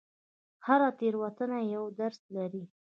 هره تېروتنه یو درس لري.